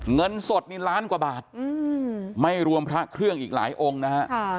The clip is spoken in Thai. เงินสดนี่ล้านกว่าบาทไม่รวมพระเครื่องอีกหลายองค์นะฮะ